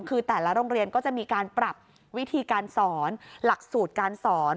คือแต่ละโรงเรียนก็จะมีการปรับวิธีการสอนหลักสูตรการสอน